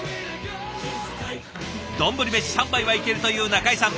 丼飯３杯はいけるという中井さん。